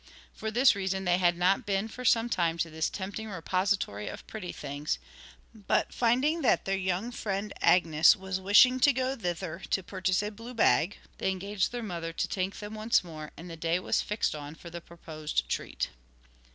For this reason, they had not been for some time to this tempting repository of pretty things; but, finding that their young friend Agnes was wishing to go thither to purchase a blue bag, they engaged their mother to take them once more, and a day was fixed on for the proposed treat.